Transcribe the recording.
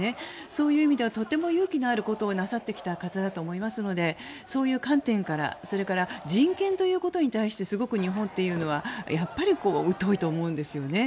そういう意味ではとても勇気のあることをなさってきた方だと思いますのでそういう観点から、それから人権ということに対してすごく日本というのはやっぱり疎いと思うんですよね。。